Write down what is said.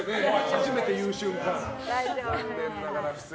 初めていう瞬間。